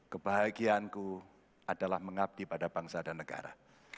kebahagiaanku adalah mengabdi pada bangsa dan negara